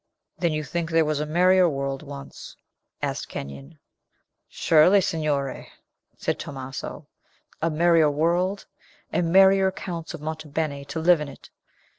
"Then you think there was a merrier world once?" asked Kenyon. "Surely, Signore," said Tomaso; "a merrier world, and merrier Counts of Monte Beni to live in it!